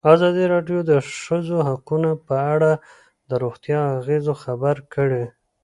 ازادي راډیو د د ښځو حقونه په اړه د روغتیایي اغېزو خبره کړې.